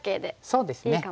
そうですね。